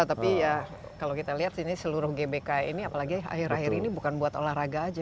tapi ya kalau kita lihat sini seluruh gbk ini apalagi akhir akhir ini bukan buat olahraga aja